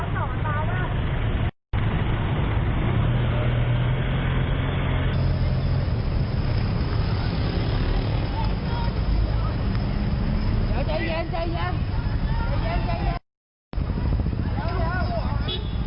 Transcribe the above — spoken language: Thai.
เดี๋ยวใจเย็นใจเย็น